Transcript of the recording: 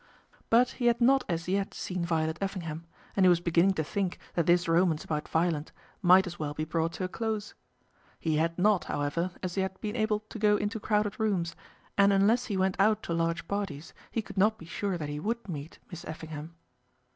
But he had not as yet seen Violet Effingham, and he was beginning to think that this romance about Violet might as well be brought to a close. He had not, however, as yet been able to go into crowded rooms, and unless he went out to large parties he could not be sure that he would meet Miss Effingham.